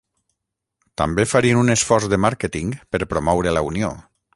També farien un esforç de màrqueting per promoure la unió.